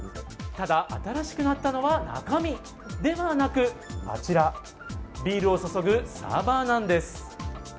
ただ、新しくなったのは中身ではなく、あちら、ビールを注ぐサーバーなんです。